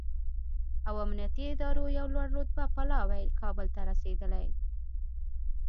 او امنیتي ادارو یو لوړ رتبه پلاوی کابل ته رسېدلی